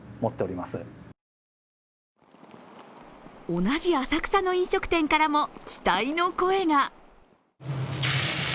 同じ浅草の飲食店からも期待の声が。